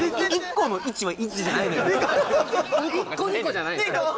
１個２個じゃないんすか？